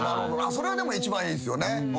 それはでも一番いいっすよね。